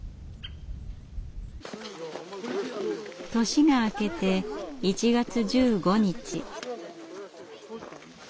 年が明けて１月１５日。